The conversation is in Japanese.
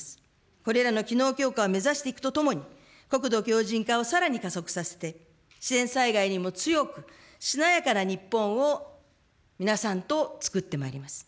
これらの機能強化を目指していくとともに、国土強靭化をさらに加速させて、自然災害にも強くしなやかな日本を皆さんとつくってまいります。